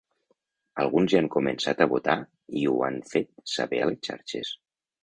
Alguns ja han començat a votar i ho han fet saber a les xarxes.